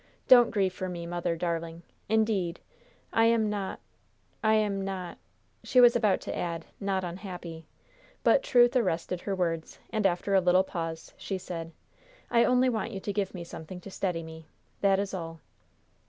Don't grieve for me, mother, darling. Indeed, I am not I am not " She was about to add, "not unhappy," but truth arrested her words, and after a little pause she said: "I only want you to give me something to steady me. That is all."